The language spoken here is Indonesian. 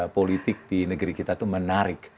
politik di negeri kita itu menarik